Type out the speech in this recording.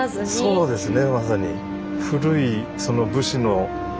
そうですね。